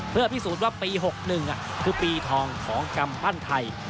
เพื่อพิสูจน์ว่าปี๖๑คือปีทองของกำปั้นไทย